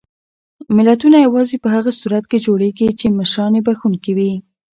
ملتونه یوازې په هغه صورت کې جوړېږي چې مشران یې بښونکي وي.